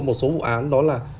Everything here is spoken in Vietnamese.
một số vụ án đó là